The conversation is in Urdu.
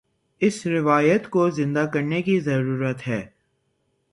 اس روایت کو زندہ کرنے کی ضرورت ہے۔